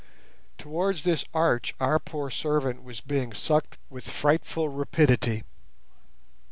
Towards this arch our poor servant was being sucked with frightful rapidity.